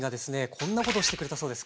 こんなことをしてくれたそうです。